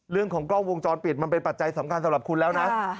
เรื่องของกล้องวงจรปิดมันเป็นปัจจัยสำคัญสำหรับคุณแล้วนะ